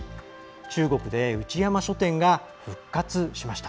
中国で内山書店が復活しました。